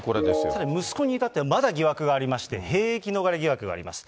さらに息子に至ってはまだ疑惑がありまして、兵役逃れ疑惑があります。